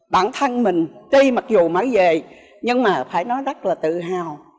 bản thân mình tuy mặc dù mới về nhưng mà phải nói rất là tự hào